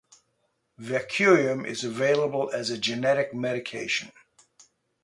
Vecuronium is available as a generic medication.